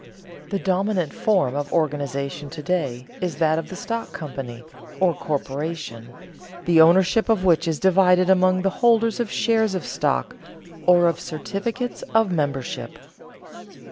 The dominant form of organization to day is that of the stock company, or corporation, the ownership of which is divided among the holders of shares of stock, or of certificates of membership.